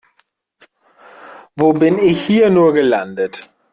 Wo bin ich hier nur gelandet?